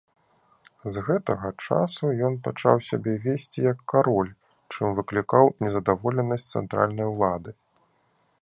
З гэтага часу ён пачаў сябе весці як кароль, чым выклікаў незадаволенасць цэнтральнай улады.